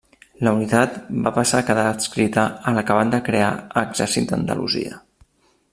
La unitat va passar a quedar adscrita a l'acabat de crear Exèrcit d'Andalusia.